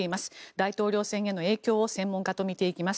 大統領選への影響を専門家と見ていきます。